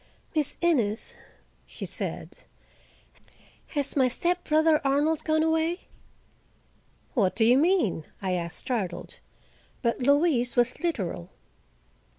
"Miss Innes," she said, "has my stepbrother Arnold gone away?" "What do you mean?" I asked, startled. But Louise was literal.